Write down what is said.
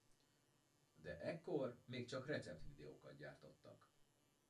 De ekkor még csak receptvideókat gyártottak.